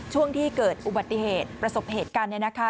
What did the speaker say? ช่วงที่เกิดอุบัติเหตุประสบเหตุการณ์เนี่ยนะคะ